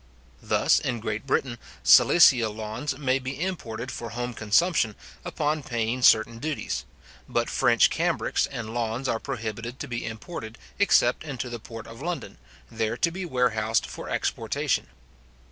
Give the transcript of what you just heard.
Thus, in Great Britain, Silesia lawns may be imported for home consumption, upon paying certain duties; but French cambrics and lawns are prohibited to be imported, except into the port of London, there to be warehoused for exportation.